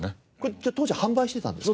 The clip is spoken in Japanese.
当時販売してたんですか？